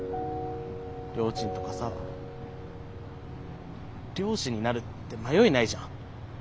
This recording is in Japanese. りょーちんとかさ漁師になるって迷いないじゃん。